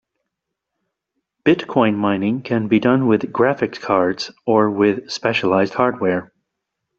Bitcoin mining can be done with graphic cards or with specialized hardware.